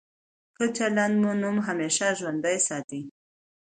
ښه چلند مو نوم همېشه ژوندی ساتي.